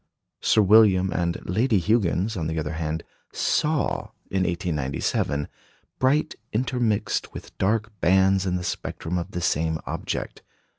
Sir William and Lady Huggins, on the other hand, saw, in 1897, bright intermixed with dark bands in the spectrum of the same object.